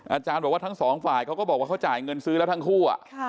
อาจารย์บอกว่าทั้งสองฝ่ายเขาก็บอกว่าเขาจ่ายเงินซื้อแล้วทั้งคู่